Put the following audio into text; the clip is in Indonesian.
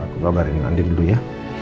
aku gabarin ke andi dulu ya